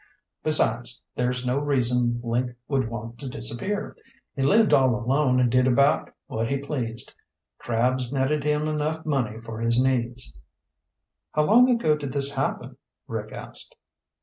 Besides, there's no reason Link would want to disappear. He lived all alone and did about what he pleased. Crabs netted him enough money for his needs." "How long ago did this happen?" Rick asked.